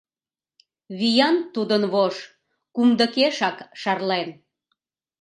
Виян тудын вож — кумдыкешак шарлен.